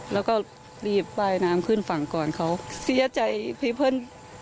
แล้วก็รีบว่ายน้ำขึ้นฝั่งก่อนเขาเสียใจพี่เพื่อน